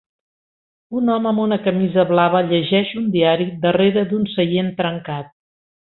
Un home amb una camisa blava llegeix un diari darrere d'un seient trencat.